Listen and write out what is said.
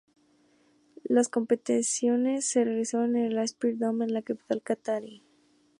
Las competiciones se realizaron en el Aspire Dome de la capital catarí.